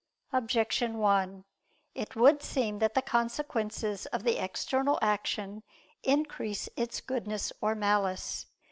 Objection 1: It would seem that the consequences of the external action increase its goodness or malice.